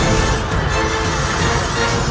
ya kan raden